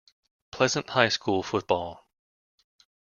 Pleasant High School Football.